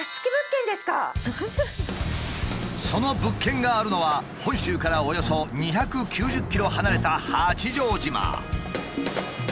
その物件があるのは本州からおよそ２９０ｋｍ離れた八丈島。